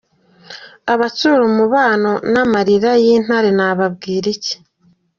Abatsura umubano n'amarira y'Intare nababwira iki.